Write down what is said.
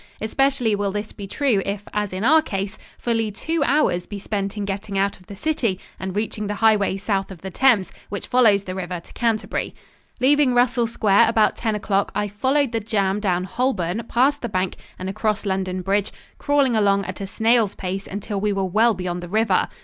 Especially will this be true if, as in our case, fully two hours be spent in getting out of the city and reaching the highway south of the Thames, which follows the river to Canterbury. Leaving Russell Square about ten o'clock, I followed the jam down Holborn past the Bank and across London Bridge, crawling along at a snail's pace until we were well beyond the river.